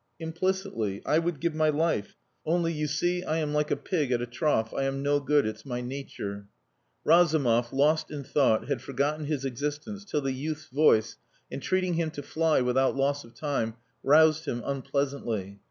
"Implicitly. I would give my life.... Only, you see, I am like a pig at a trough. I am no good. It's my nature." Razumov, lost in thought, had forgotten his existence till the youth's voice, entreating him to fly without loss of time, roused him unpleasantly.